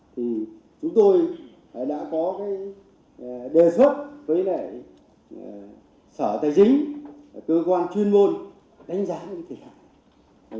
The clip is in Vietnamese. thì chúng tôi đã có cái đề xuất với lại sở tài chính cơ quan chuyên môn đánh giá cái thể thảo